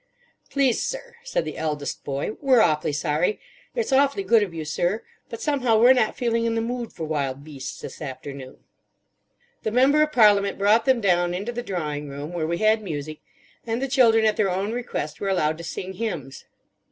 "Please, sir," said the eldest boy, "we're awfully sorry. It's awfully good of you, sir. But somehow we're not feeling in the mood for wild beasts this afternoon." The Member of Parliament brought them down into the drawing room, where we had music; and the children, at their own request, were allowed to sing hymns.